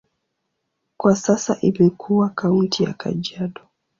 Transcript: Kwa sasa imekuwa kaunti ya Kajiado.